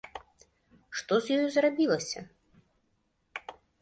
Што з ёю зрабілася?